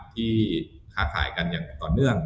ที่ค้าขายกันอย่างต่อเนื่อง